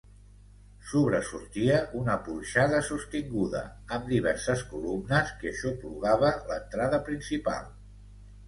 Sobresortia una porxada, sostinguda amb diverses columnes, que aixoplugava l'entrada principal.